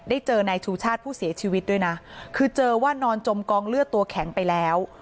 เจอนายชูชาติผู้เสียชีวิตด้วยนะคือเจอว่านอนจมกองเลือดตัวแข็งไปแล้ว